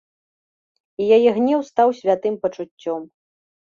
І яе гнеў стаў святым пачуццём.